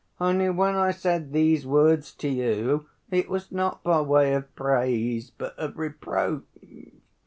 Only when I said these words to you, it was not by way of praise, but of reproach.